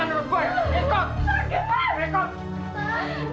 ikut bukan dengan gue ikut